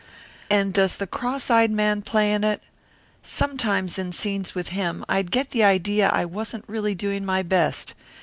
"And does the cross eyed man play in it? Sometimes, in scenes with him, I'd get the idea I wasn't really doing my best."